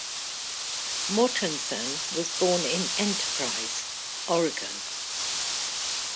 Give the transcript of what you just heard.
Mortensen was born in Enterprise, Oregon.